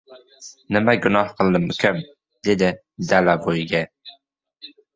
— Nima gunoh qildim, ukam, — dedi Dalavoyga.